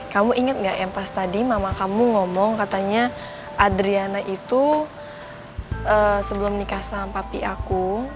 kamu ingat nggak yang pas tadi mama kamu ngomong katanya adriana itu sebelum nikah saham papi aku